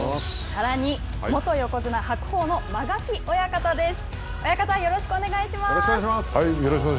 さらに、元横綱・白鵬の間垣親方です。